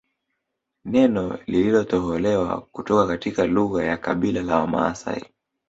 Neno lililotoholewa kutoka katika lugha ya kabila la Wamaasai